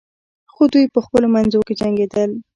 خو دوی په خپلو منځو کې جنګیدل.